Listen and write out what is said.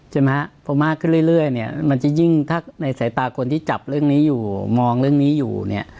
เพราะมากขึ้นเรื่อยมันจะยิ่งถ้าในสายตากลที่จับเรื่องนี้อยู่มองเรื่องนี้อยู่